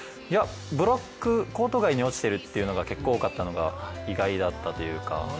ブロックコート外に落ちているっていうのが結構多かったのが、意外だったというか。